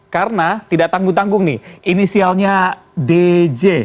karena tidak tanggung tanggung nih inisialnya dj